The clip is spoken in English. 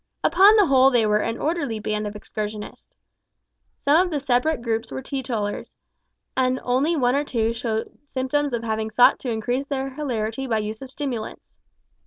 Upon the whole they were an orderly band of excursionists. Some of the separate groups were teetotallers, and only one or two showed symptoms of having sought to increase their hilarity by the use of stimulants.